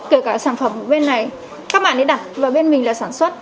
kể cả sản phẩm bên này các bạn ấy đặt và bên mình là sản xuất